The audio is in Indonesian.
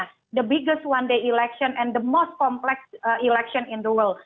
pemilu yang paling besar satu hari dan yang paling kompleks di dunia